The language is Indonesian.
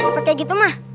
pak de gitu mah